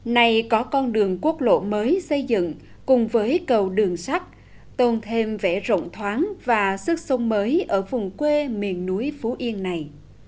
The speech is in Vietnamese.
này có con đường quốc lộ mới xây dựng cùng với cầu đường sắt tôn thêm vẻ rộng thoáng và sức sông mới ở vùng quê miền núi phú yên này